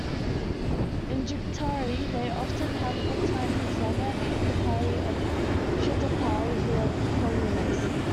In "jidaigeki," they often have full-time patrolmen, "okappiki" and "shitappiki", who were commoners.